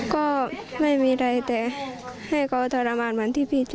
ก็ไม่มีอะไรแต่ให้เขาทรมานเหมือนที่พี่เจอ